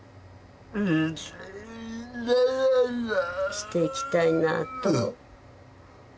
「していきたいなと」